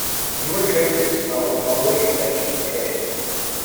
Newer trade routes developed following extension of trade.